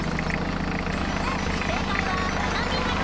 正解は『ハナミズキ』。